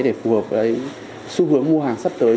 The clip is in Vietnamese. để phù hợp với xu hướng mua hàng sắp tới